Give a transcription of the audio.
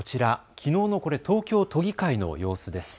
きのうの東京都議会の様子です。